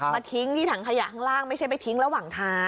ทิ้งที่ถังขยะข้างล่างไม่ใช่ไปทิ้งระหว่างทาง